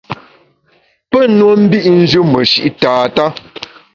Pe nue mbit njù meshi’ tata.